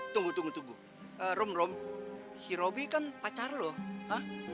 tunggu tunggu tunggu rom rom si robby kan pacar lo hah